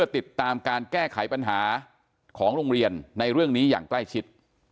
ติดตามการแก้ไขปัญหาของโรงเรียนในเรื่องนี้อย่างใกล้ชิด